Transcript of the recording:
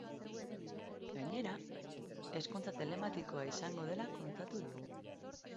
Gainera, ezkontza tematikoa izango dela kontatu digu.